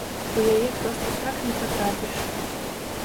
У яе проста так не патрапіш.